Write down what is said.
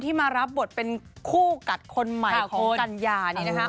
ที่มารับบทเป็นคู่กัดคนใหม่ของกัญญานี้นะคะ